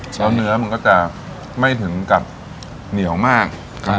แล้วเนื้อมันก็จะไม่ถึงกับเหนียวมาก